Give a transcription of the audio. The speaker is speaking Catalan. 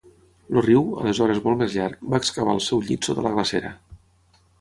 El riu, aleshores molt més llarg, va excavar el seu llit sota la glacera.